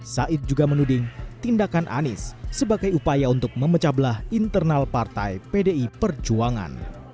said juga menuding tindakan anies sebagai upaya untuk memecah belah internal partai pdi perjuangan